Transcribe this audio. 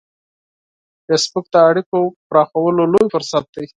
فېسبوک د اړیکو پراخولو لوی فرصت دی